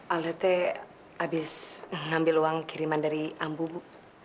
alda teh habis ngambil uang kiriman dari ambu bu